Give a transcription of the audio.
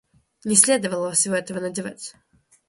Не следовало всего этого надевать.